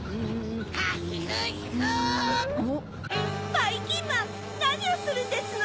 ・ばいきんまんなにをするんですの？